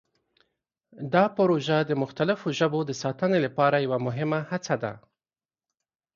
دا پروژه د مختلفو ژبو د ساتنې لپاره یوه مهمه هڅه ده.